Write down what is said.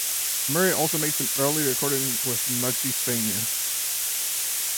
Murray also made early recordings with Muggsy Spanier.